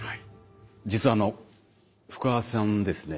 実はあの福和さんですね